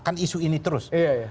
kan isu ini terus